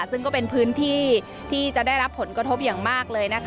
ซึ่งก็เป็นพื้นที่ที่จะได้รับผลกระทบอย่างมากเลย